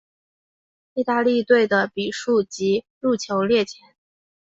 意大利队的比数及入球列前。